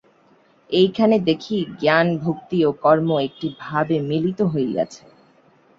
এইখানে দেখি, জ্ঞান ভক্তি ও কর্ম একটি ভাবে মিলিত হইয়াছে।